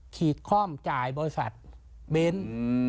ขีดคล่อมจ่ายบริษัทเบนท์